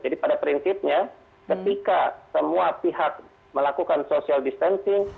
jadi pada prinsipnya ketika semua pihak melakukan social distancing